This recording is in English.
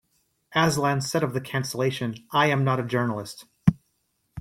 Aslan said of the cancellation, I am not a journalist.